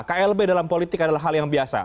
klb dalam politik adalah hal yang biasa